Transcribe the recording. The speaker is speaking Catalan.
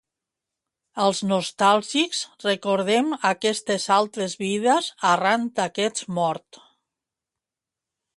Els nostàlgics recordem aquestes altres vides arran d'aquest mort.